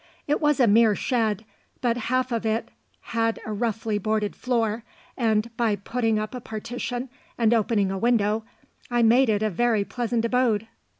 It was a mere shed, but half of it had a roughly boarded floor, and by putting up a partition and opening a window I made it a very pleasant abode.